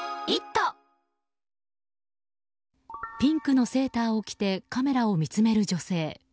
ピンクのセーターを着てカメラを見つめる女性。